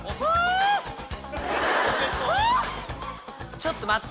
ちょっと待って。